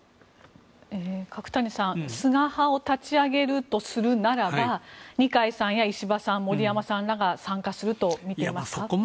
角谷さん菅派を立ち上げるとするならば二階さんや石破さん森山さんらが参加すると見ていますか？